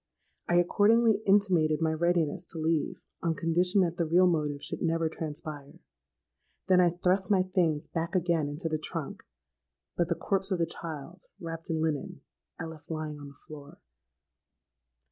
I accordingly intimated my readiness to leave on condition that the real motive should never transpire. Then I thrust my things back again into the trunk: but the corpse of the child, wrapped in linen, I left lying on the floor.